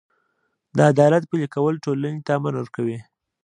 د عدالت پلي کول ټولنې ته امن ورکوي.